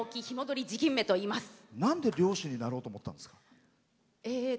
なんで漁師になろうと思ったんですか？